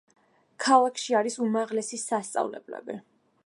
ქალაქში არის უმაღლესი სასწავლებლები.